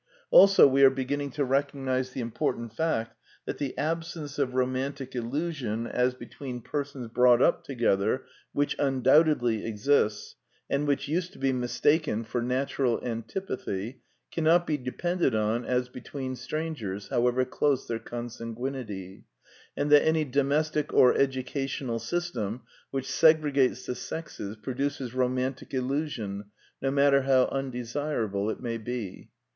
Also we are beginning to recognize the important fact that the absence of romantic illusion as between persons brought up together, which undoubtedly exists, and which used to be mistaken for natural antipathy, cannot be depended on as between strangers, however close their consanguinity, and that any domestic or educational system which segregates the sexes produces romantic illusion, no matter how undesirable it may be.